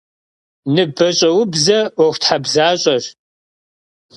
Nıbeş'eubze 'uexuthebzaş'eş.